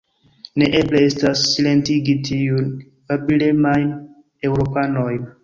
Neeble estas, silentigi tiujn babilemajn Eŭropanojn!